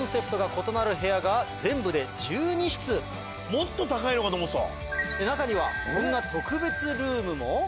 もっと高いのかと思ってた。